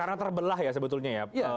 karena terbelah ya sebetulnya ya